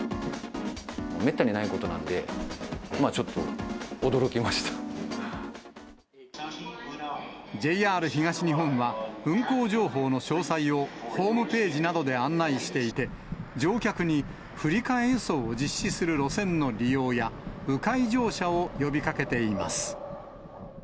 めったにないことなんで、ＪＲ東日本は、運行情報の詳細を、ホームページなどで案内していて、乗客に振り替え輸送を実施する路線の利用や、う回乗車を呼びかけています。